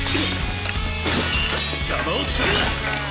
邪魔をするな！